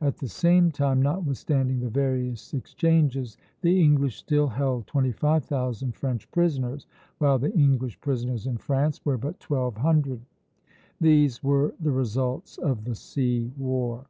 At the same time, notwithstanding the various exchanges, the English still held twenty five thousand French prisoners, while the English prisoners in France were but twelve hundred. These were the results of the sea war.